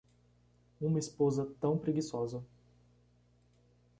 Uma esposa tão preguiçosa